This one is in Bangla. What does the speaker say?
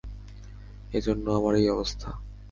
এজন্য আমার এই অবস্থা!